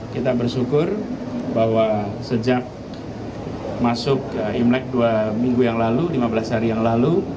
kita bersyukur bahwa sejak masuk imlek dua minggu yang lalu lima belas hari yang lalu